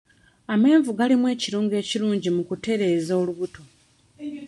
Amenvu galimu ekirungo ekirungi mu kutereeza olubuto.